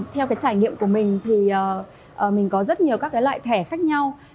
theo trải nghiệm của mình mình có rất nhiều loại thẻ khác nhau